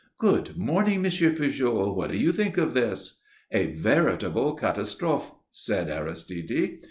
"Good morning, Monsieur Pujol, what do you think of this?" "A veritable catastrophe," said Aristide.